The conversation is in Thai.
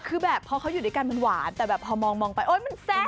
คือแบบพอเขาอยู่ด้วยกันมันหวานแต่แบบพอมองไปโอ๊ยมันแซ่บ